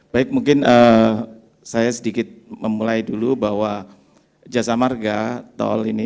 baik mungkin saya sedikit memulai dulu bahwa jasa marga tol ini